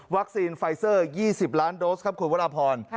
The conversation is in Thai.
วัคซีนไฟซอร์๒๐ล้านโดสครับคุณพระอาพร